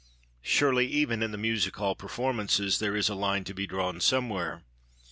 Surely even in music hall performances, there is a line to be drawn somewhere.